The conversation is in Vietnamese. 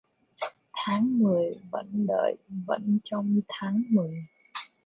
Tháng mười vẫn đợi vẫn trông tháng mười..